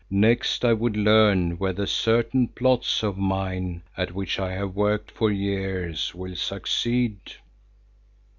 Next I would learn whether certain plots of mine at which I have worked for years, will succeed."